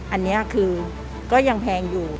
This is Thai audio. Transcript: อันนี้คือก็ยังแพงอยู่